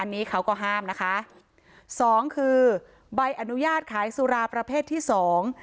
อันนี้เขาก็ห้ามนะคะสองคือใบอนุญาตขายสุราประเภทที่สอง